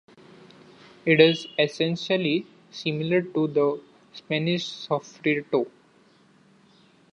It is essentially similar to the Spanish sofrito.